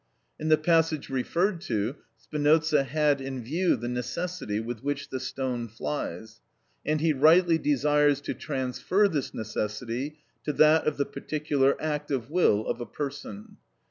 In the passage referred to, Spinoza had in view the necessity with which the stone flies, and he rightly desires to transfer this necessity to that of the particular act of will of a person.